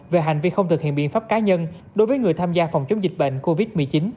về hành vi không thực hiện biện pháp cá nhân đối với người tham gia phòng chống dịch bệnh covid một mươi chín